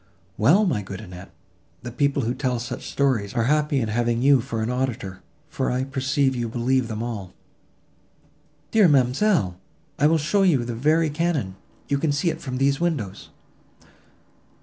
"Well! my good Annette, the people who tell such stories, are happy in having you for an auditor, for I perceive you believe them all." "Dear ma'amselle! I will show you the very cannon; you can see it from these windows!"